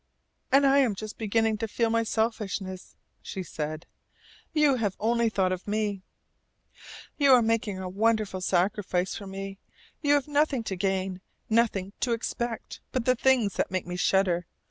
"And I am just beginning to feel my selfishness," she said. "You have thought only of me. You are making a wonderful sacrifice for me. You have nothing to gain, nothing to expect but the things that make me shudder.